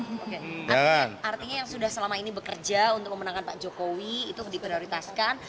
artinya yang sudah selama ini bekerja untuk memenangkan pak jokowi itu diprioritaskan